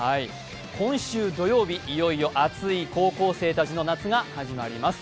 今週土曜日、いよいよ熱い高校生たちの夏が始まります。